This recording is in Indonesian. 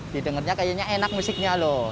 didengarnya kayaknya enak musiknya loh